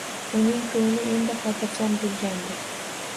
Uning ko`ngli endi hotirjam bo`lgandi